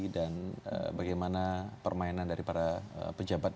dan bagaimana permainan dari para pejabat